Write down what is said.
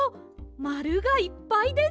まるがいっぱいです！